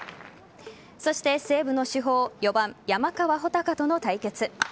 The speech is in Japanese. そして西武の主砲４番・山川穂高との対決。